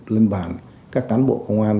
lên bàn các cán bộ công an